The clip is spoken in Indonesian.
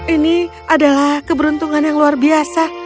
ini adalah keberuntungan yang luar biasa